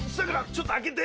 ちょっと開けて。